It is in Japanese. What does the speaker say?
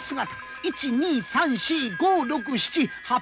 １２３４５６７８匹の犬。